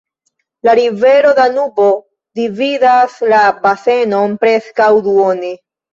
La rivero Danubo dividas la basenon preskaŭ duone.